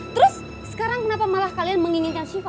terus sekarang kenapa malah kalian menginginkan syifa